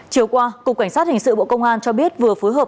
chiều qua cục cảnh sát hình sự bộ công an cho biết vừa phối hợp